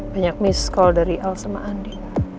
banyak miss call dari al sama andi